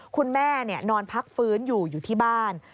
นอนพักฟื้นอยู่อยู่ที่บ้าน